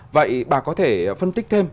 vậy bà có thể phân tích thêm